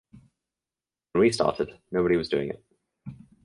When we started nobody was doing it.